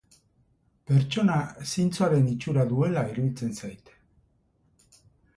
Pertsona zintzoaren itxura duela iruditzen zait.